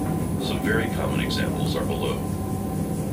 Some very common examples are below.